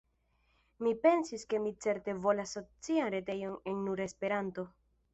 Mi pensis ke mi certe volas socian retejon en nur Esperanto.